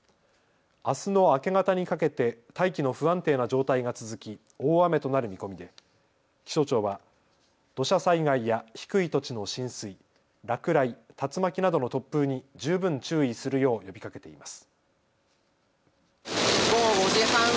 あすの明け方にかけて大気の不安定な状態が続き大雨となる見込みで気象庁は土砂災害や低い土地の浸水、落雷、竜巻などの突風に十分注意するよう呼びかけています。